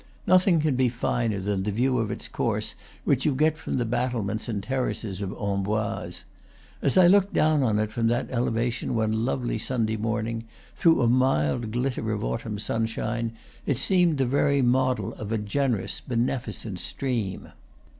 Nothing can be finer than the view of its course which you get from the battlements and ter races of Amboise. As I looked down on it from that elevation one lovely Sunday morning, through a mild glitter of autumn sunshine, it seemed the very model of a generous, beneficent stream.